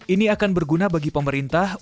ini akan berguna bagi pemerintah